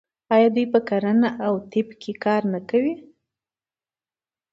آیا دوی په کرنه او طب کې کار نه کوي؟